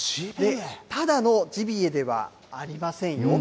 ただのジビエではありませんよ。